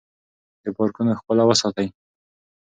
د پارکونو ښکلا وساتئ.